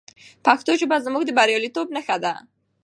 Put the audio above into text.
پښتو ژبه زموږ د بریالیتوب نښه ده.